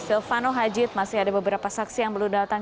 silvano hajid masih ada beberapa saksi yang belum datang